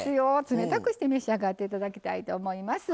冷たくして召し上がって頂きたいと思います。